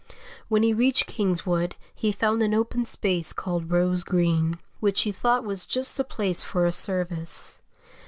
When he reached Kingswood he found an open space called Rose Green, which he thought was just the place for a service.